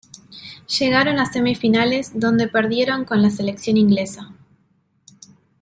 Llegaron a semifinales donde perdieron con la selección inglesa.